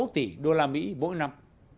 sáu tỷ usd mỗi năm